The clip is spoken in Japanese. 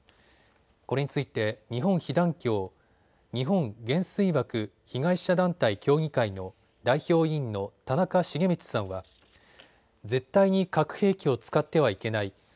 これについて日本被団協・日本原水爆被害者団体協議会の代表委員の田中重光さんは絶対に核兵器を使ってはいけない。